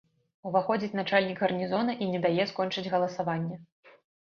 Уваходзіць начальнік гарнізона і не дае скончыць галасаванне.